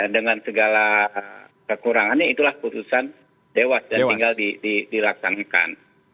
dengan segala kekurangannya itulah putusan dewas dan tinggal dilaksanakan